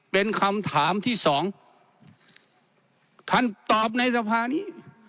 เป็นคำถามที่สองท่านตอบในสภานี้